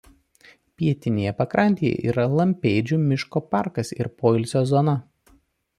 Pietinėje pakrantėje yra Lampėdžių miško parkas ir poilsio zona.